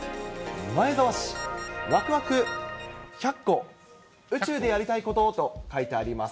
前澤氏、わくわく１００個、宇宙でやりたいことと書いてあります。